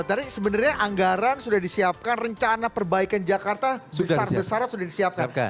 tadi sebenarnya anggaran sudah disiapkan rencana perbaikan jakarta besar besaran sudah disiapkan